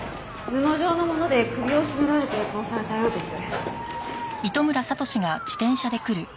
布状のもので首を絞められて殺されたようです。